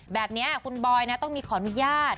แบบนี้คุณบอยนะต้องมีขออนุญาต